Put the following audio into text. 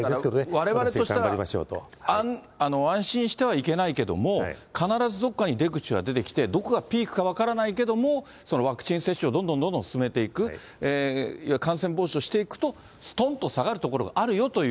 われわれとしたら、安心してはいけないけども、必ずどこかに出口は出てきて、どこがピークか分からないけども、そのワクチン接種をどんどんどんどん進めていく、いわゆる感染防止をしていくと、すとんと下がる所があるよという。